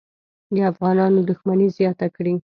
د افغانانو دښمني زیاته کړي.